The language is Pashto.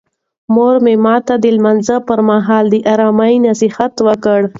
مور مې ماته د لمانځه پر مهال د آرامۍ نصیحت وکړ.